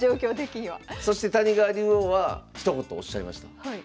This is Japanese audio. そして谷川竜王はひと言おっしゃいました。